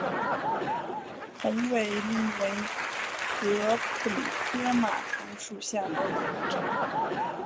红尾翎为禾本科马唐属下的一个种。